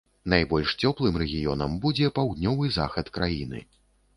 Найбольш цёплым рэгіёнам будзе паўднёвы захад краіны.